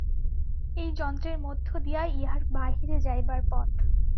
এই যন্ত্রের মধ্য দিয়াই ইহার বাহিরে যাইবার পথ।